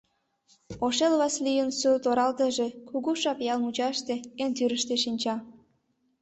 Ошэл Васлийын сурт-оралтыже Кугу Шап ял мучаште, эн тӱрыштӧ, шинча.